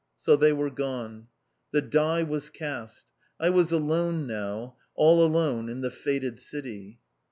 So they were gone! The die was cast. I was alone now, all alone in the fated city.